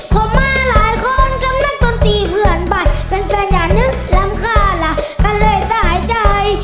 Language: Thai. พอมาหลายคนกำนักต้นตีเพื่อนบาดเป็นแฟนอย่านึกลำคาล่ะกะเลยตายใจ